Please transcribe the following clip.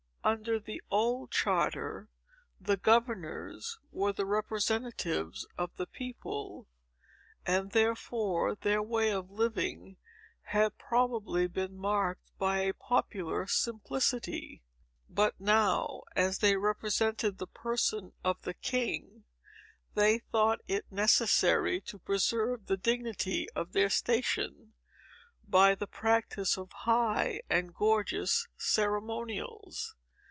Under the old charter, the governors were the representatives of the people, and therefore their way of living had probably been marked by a popular simplicity. But now, as they represented the person of the king, they thought it necessary to preserve the dignity of their station, by the practice of high and gorgeous ceremonials.